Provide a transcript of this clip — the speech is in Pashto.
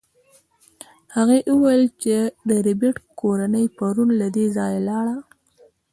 هغې وویل چې د ربیټ کورنۍ پرون له دې ځایه لاړه